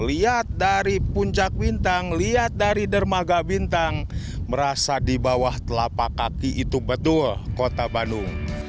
lihat dari puncak bintang lihat dari dermaga bintang merasa di bawah telapak kaki itu betul kota bandung